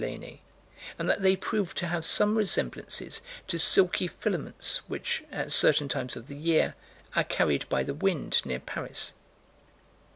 Lainé, and that they proved to have some resemblances to silky filaments which, at certain times of the year, are carried by the wind near Paris.